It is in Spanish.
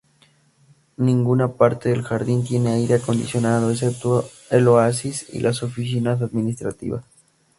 Ninguna parte del jardín tiene aire acondicionado, excepto el oasis y las oficinas administrativas.